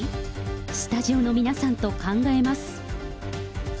スタジオの皆さんと考えます。